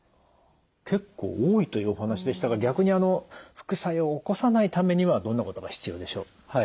結構多いというお話でしたが逆にあの副作用を起こさないためにはどんなことが必要でしょう？